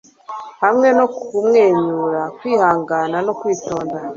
hamwe no kumwenyura, kwihangana no kwitonda